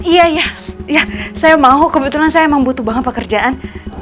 iya ya saya mau kebetulan saya emang butuh banget pekerjaan